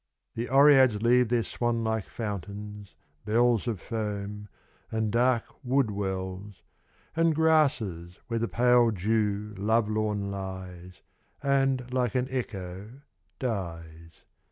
The oreads leave their swan like fountains, bells Of foam, and dark wood wells, And grasses where the pale dew lovelorn lies And like an echo dies.